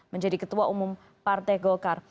menjadi ketua umum partai golkar